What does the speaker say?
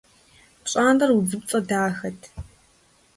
ПщӀантӀэр удзыпцӀэ дахэт.